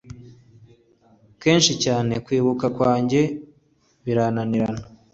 kenshi cyane kwibuka kwanjye birananirana,